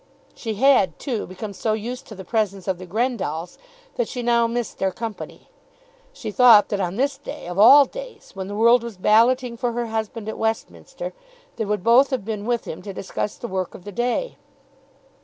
She had, too, become so used to the presence of the Grendalls, that she now missed their company. She thought that on this day, of all days, when the world was balloting for her husband at Westminster, they would both have been with him to discuss the work of the day.